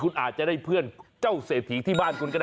คุณอาจจะได้เพื่อนเจ้าเศรษฐีที่บ้านคุณก็ได้